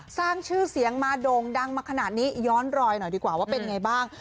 สร้างชื่อเสียงมาโด่งดังมาขนาดนี้ย้อนรอยหน่อยดีกว่าว่าเป็นไงบ้าง